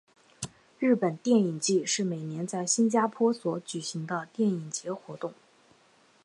日本电影祭是每年在新加坡所举行的电影节活动。